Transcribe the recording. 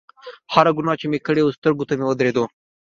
هره ګناه چې مې کړې وه سترګو ته مې ودرېدله.